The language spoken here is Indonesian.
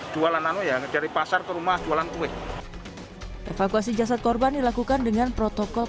jualan anak yang dari pasar ke rumah jualan kue evakuasi jasad korban dilakukan dengan protokol